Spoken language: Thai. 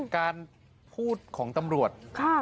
การพูดของตำรวจ